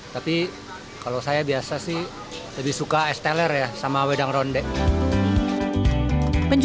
tapi kalau saya biasa sih lebih suka esteller ya sama wedang ronde